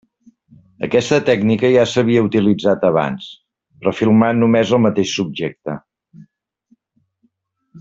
Aquesta tècnica ja s’havia utilitzat abans, però filmant només el mateix subjecte.